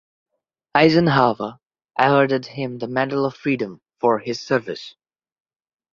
Eisenhower awarded him the Medal of Freedom for his service.